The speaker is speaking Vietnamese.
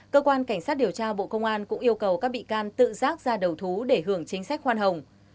cơ quan cảnh sát điều tra bộ công an cũng yêu cầu các bị can tự rác ra đầu thú để hưởng chính sách khoan hồng